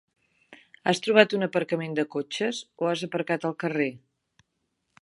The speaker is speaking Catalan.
Has trobat un aparcament de cotxes, o has aparcat al carrer?